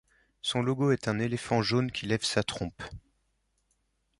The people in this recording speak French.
Son logo est un éléphant jaune qui lève sa trompe.